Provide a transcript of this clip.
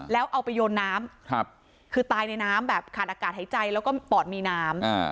แล้วเอาไปโยนน้ำคือตายในน้ำแบบขาดอากาศหายใจแล้วก็ปอดมีน้ำ